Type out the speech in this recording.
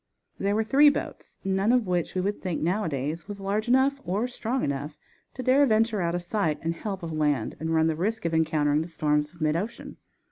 There were three boats, none of which we would think, nowadays, was large enough or strong enough to dare venture out of sight and help of land and run the risk of encountering the storms of mid ocean.